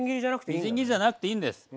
みじん切りじゃなくていいんです。